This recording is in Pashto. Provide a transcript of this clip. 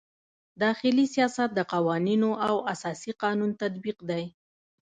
داخلي سیاست د قوانینو او اساسي قانون تطبیق دی.